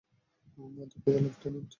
দুঃখিত, লেফটেন্যান্ট।